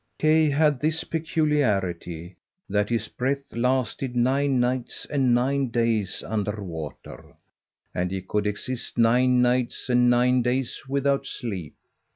Kay had this peculiarity, that his breath lasted nine nights and nine days under water, and he could exist nine nights and nine days without sleep.